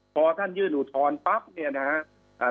พอท่านยื่นอุทธรณ์ปั๊บเนี่ยนะครับ